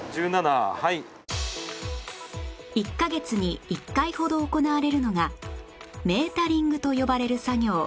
１カ月に１回ほど行われるのがメータリングと呼ばれる作業